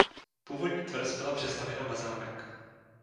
Původní tvrz byla přestavěna na zámek.